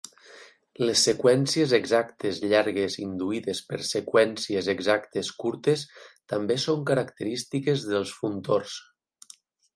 Les seqüències exactes llargues induïdes per seqüències exactes curtes també són característiques dels funtors.